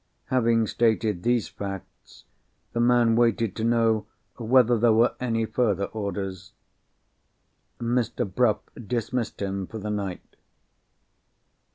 Having stated these facts, the man waited to know whether there were any further orders. Mr. Bruff dismissed him for the night.